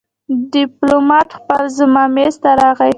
ډيپلومات خپله زما مېز ته راغی.